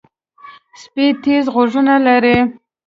سپي تیز غوږونه لري.